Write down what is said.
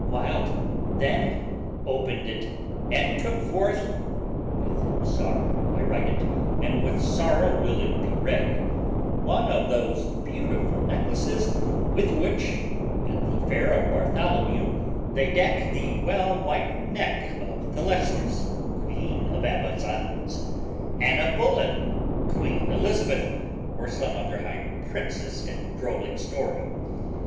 Wild then opened it, and took forth (with sorrow I write it, and with sorrow will it be read) one of those beautiful necklaces with which, at the fair of Bartholomew, they deck the well bewhitened neck of Thalestris queen of Amazons, Anna Bullen, queen Elizabeth, or some other high princess in Drollic story.